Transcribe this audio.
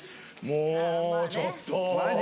もうちょっと！